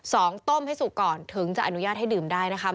ต้มให้สุกก่อนถึงจะอนุญาตให้ดื่มได้นะคะ